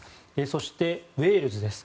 そして、ウェールズです。